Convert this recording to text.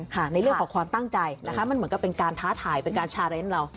ในเรื่องของความตั้งใจนะคะมันเหมือนกับเป็นการท้าทายเป็นการชาเรนเรา